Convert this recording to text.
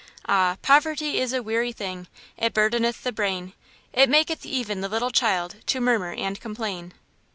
"Ah! poverty is a weary thing! It burdeneth the brain, it maketh even the little child To murmur and complain."